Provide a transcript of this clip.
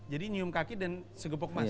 jadi nyium kaki dan segepok emas